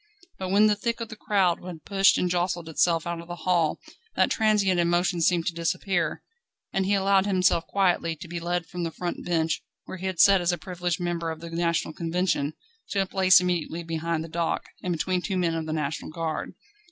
But when the thick of the crowd had pushed and jostled itself out of the hall, that transient emotion seemed to disappear, and he allowed himself quietly to be led from the front bench, where he had sat as a privileged member of the National Convention, to a place immediately behind the dock, and between two men of the National Guard.